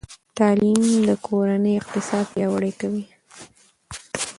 تعلیم د کورنۍ اقتصاد پیاوړی کوي.